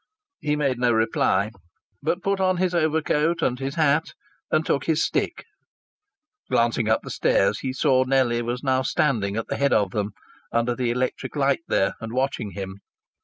He made no reply, but put on his overcoat and his hat and took his stick. Glancing up the stairs he saw Nellie was now standing at the head of them, under the electric light there, and watching him.